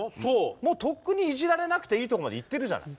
もうとっくにいじられなくていいとこまでいってるじゃない。